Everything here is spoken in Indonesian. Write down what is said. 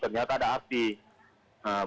baru saya terlihat wah api api api